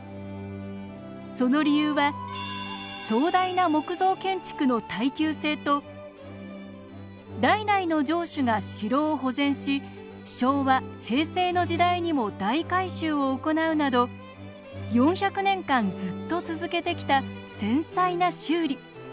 その理由は壮大な木造建築の耐久性と代々の城主が城を保全し昭和・平成の時代にも大改修を行うなど４００年間ずっと続けてきた繊細な修理。